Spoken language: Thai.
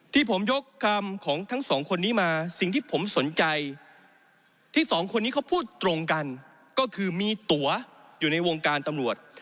ที่ผมยกคำของทั้งสองคนนี้มาสิ่งที่ผมสนใจที่สองคนนี้เขาพูดตรงกันก็คือมีตัวอยู่ในวงการตำรวจ